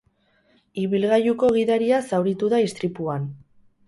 Ibilgailuko gidaria zauritu da istripuan.